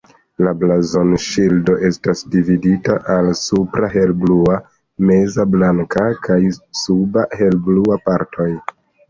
La blazonŝildo estas dividata al supra helblua, meza blanka kaj suba helblua partoj.